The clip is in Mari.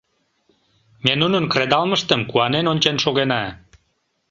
Ме нунын кредалмыштым куанен ончен шогена.